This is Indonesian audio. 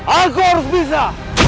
aku harus bisa